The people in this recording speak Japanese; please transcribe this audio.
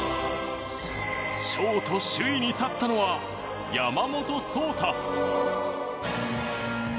ショート首位に立ったのは山本草太。